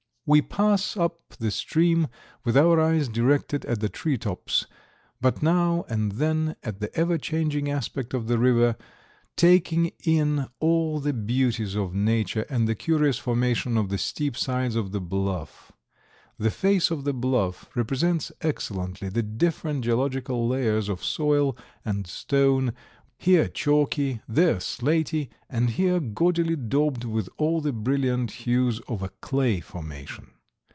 We pass up the stream with our eyes directed at the tree tops, but now and then at the ever changing aspect of the river, taking in all the beauties of nature and the curious formation of the steep sides of the bluff. The face of the bluff represents excellently the different geological layers of soil and stone, here chalky, there slaty, and here gaudily daubed with all the brilliant hues of a clay formation.